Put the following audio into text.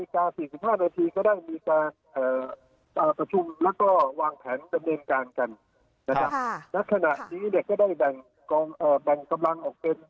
ครับตั้งแต่เริ่มเลือกเคลียงก็ประมาณ